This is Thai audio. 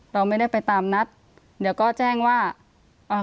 เราไม่ได้ไปตามนัดเดี๋ยวก็แจ้งว่าอ่า